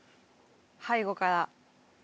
背後から。